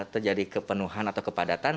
terjadi kepenuhan atau kepadatan